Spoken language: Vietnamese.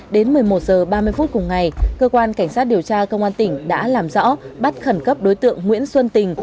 đến một mươi một h ba mươi phút cùng ngày cơ quan cảnh sát điều tra công an tỉnh đã làm rõ bắt khẩn cấp đối tượng nguyễn xuân tình